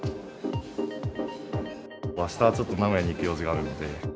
あした、ちょっと名古屋に行く用事があるので。